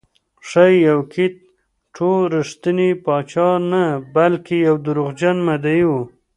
ښایي یوکیت ټو رښتینی پاچا نه بلکې یو دروغجن مدعي و